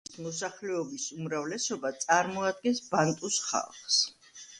ეკვატორული გვინეის მოსახლეობის უმრავლესობა წარმოადგენს ბანტუს ხალხს.